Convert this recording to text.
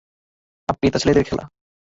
আপ্পি এটা ছেলেদের খেলা।